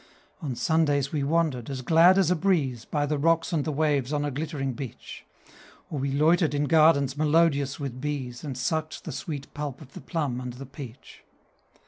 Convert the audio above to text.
On Sundays we wandered, as glad as a breeze, By the rocks and the waves on a glittering beach; Or we loitered in gardens melodious with bees, And sucked the sweet pulp of the plum and the peach.